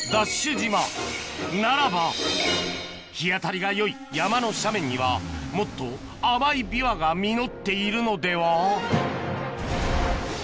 島ならば日当たりが良い山の斜面にはもっと甘いビワが実っているのでは？